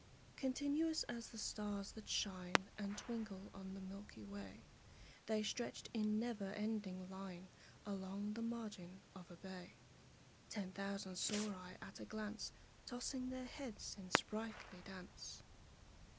Continuous as the stars that shine And twinkle on the milky way, The stretched in never ending line Along the margin of a bay: Ten thousand saw I at a glance, Tossing their heads in sprightly dance.